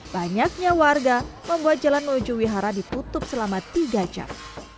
banyaknya warga membuat jalan menuju wihara ditutup selama tiga jam